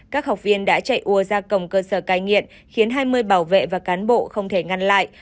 các học viên đã chạy ua ra cổng cơ sở canh nhiện khiến hai mươi bảo vệ và cán bộ không thể ngăn lại